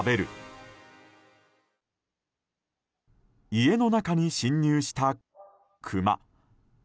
家の中に侵入したクマ。